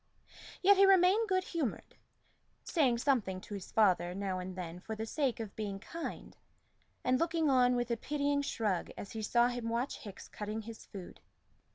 Yet he remained good humored, saying something to his father now and then for the sake of being kind, and looking on with a pitying shrug as he saw him watch Hickes cutting his food.